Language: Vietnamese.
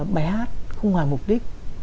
bài hát không ngoài mục đích